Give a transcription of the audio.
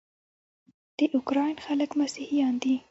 د اوکراین خلک مسیحیان دي.